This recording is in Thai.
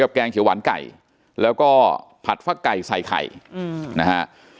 ก่อนแขวนกลางไก่แล้วก็ผัดฝ่าไก่ใส่ไข่แนะฮะ